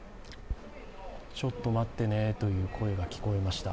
ちょっと待ってねという声が聞こえました。